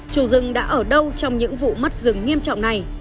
chủ rừng đã ở đâu trong những vụ mất rừng nghiêm trọng này